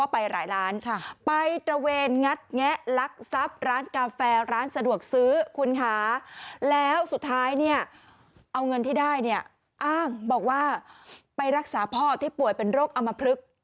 ไปตราเวนใช้คำว่าตราเวนเพราะว่าไปรายล้าน